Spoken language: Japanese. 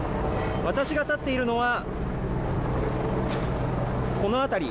私が立っているのはこの辺り。